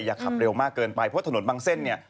อย่าขับเร็วมากเกินไปเพราะถนนบางเส้นเนี่ย